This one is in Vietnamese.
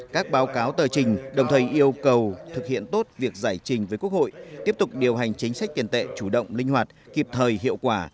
các báo cáo tờ trình đồng thời yêu cầu thực hiện tốt việc giải trình với quốc hội tiếp tục điều hành chính sách tiền tệ chủ động linh hoạt kịp thời hiệu quả